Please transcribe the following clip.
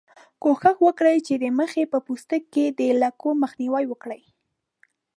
کوښښ وکړئ چې د مخ په پوستکي کې د لکو مخنیوی وکړئ.